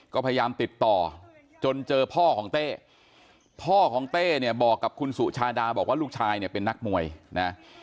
ก็พยายามติดต่อจนเจอพ่อของเต้พ่อของเต้เนี่ยบอกกับคุณสุชาดาบอกว่าลูกชายเนี่ยเป็นนักมวยนะ